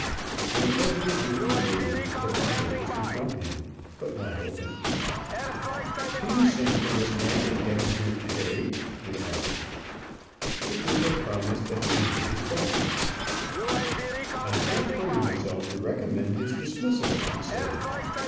When Roden entered the room the bundle was before him, but not opened. "Can you send for this man and get him here to day?" he asked. The Duca promised that he would do his best. "I can't bring myself to recommend his dismissal," he said.